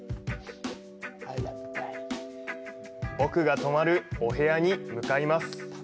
僕が泊まるお部屋に向かいます。